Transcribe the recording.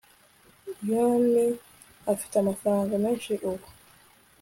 yumi afite amafaranga menshi ubu